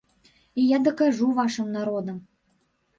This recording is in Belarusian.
І я дакажу вашым народам!